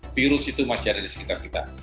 virus itu masih ada di sekitar kita